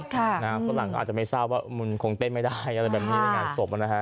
คนหลังอาจจะไม่เศร้าว่ะมึงคงเต้นไม่ได้อะไรแบบนี้